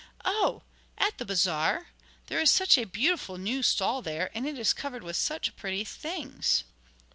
'Oh, at the Bazaar! There is such a beautiful new stall there, and it is covered with such pretty things!'